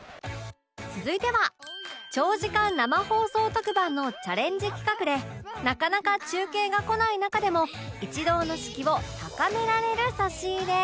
続いては長時間生放送特番のチャレンジ企画でなかなか中継がこない中でも一同の士気を高められる差し入れ